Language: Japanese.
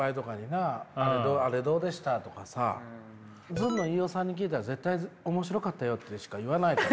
ずんの飯尾さんに聞いたら絶対「面白かったよ」としか言わないから。